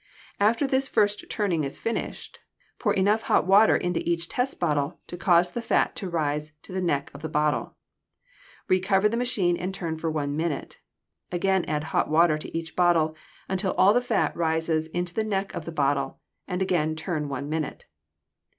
After this first turning is finished, pour enough hot water into each test bottle to cause the fat to rise to the neck of the bottle. Re cover the machine and turn for one minute. Again add hot water to each bottle until all the fat rises into the neck of the bottle and again turn one minute.